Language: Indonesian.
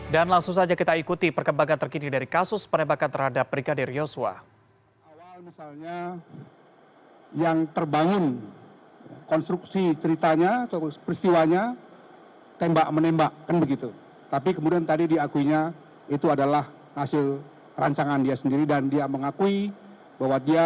dan langsung saja kita ikuti perkembangan terkini dari kasus penembakan terhadap brigadir yosua